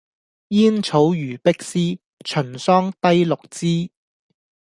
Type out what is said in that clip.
燕草如碧絲，秦桑低綠枝